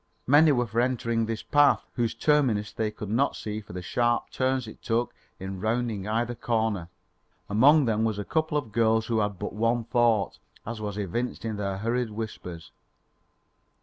Many were for entering this path whose terminus they could not see for the sharp turns it took in rounding either corner. Among them was a couple of girls who had but one thought, as was evinced by their hurried whispers.